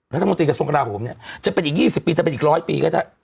รัฐมนตรีกระทรวงกราโหมเนี่ยจะเป็นอีก๒๐ปีถ้าเป็นอีก๑๐๐ปีก็ได้